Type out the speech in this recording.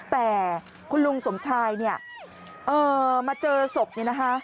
แต่คุณลุงสมชัยมาเจอศพนี่นะคะ